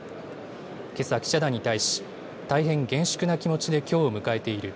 けさ、記者団に対し、大変厳粛な気持ちできょうを迎えている。